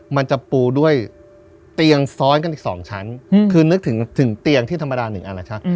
มันจะปูด้วยเตียงซ้อนกันอีก๒ชั้นคือนึกถึงเตียงที่ธรรมดา๑อันละชัก